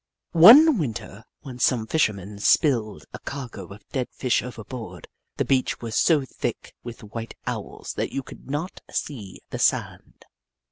One Winter when some fishermen spilled a cargo of dead Fish overboard, the beach was so thick with white Owls that you could not see the sand.